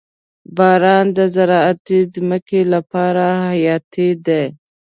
• باران د زراعتي ځمکو لپاره حیاتي دی.